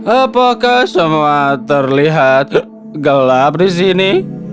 apakah semua terlihat gelap di sini